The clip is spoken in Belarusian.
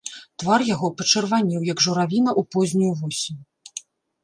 Твар яго пачырванеў, як журавіна ў познюю восень.